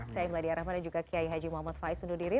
saya meladia rahman dan juga kiai haji muhammad faiz undur diri